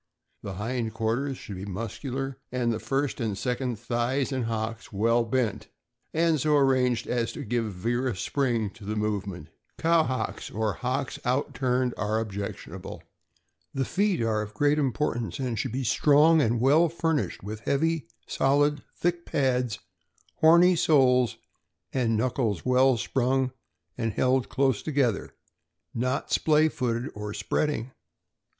The hind quarters should be muscular, and the first and second thighs and hocks well bent, and so arranged as to give vigorous spring to the movement. Cow hocks, or hocks out turned, are objectionable. The feet are of great importance, and should be strong and well fur nished with heavy, solid, thick pads, horny soles, and knuckles well sprung and held close together, not splay , footed or spreading.